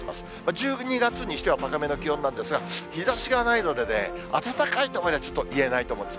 １２月にしては、高めの気温なんですが、日ざしがないのでね、暖かいとまではちょっと言えないと思います。